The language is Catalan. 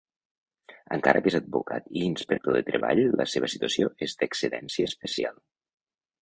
Encara que és advocat i inspector de Treball la seva situació és d'excedència especial.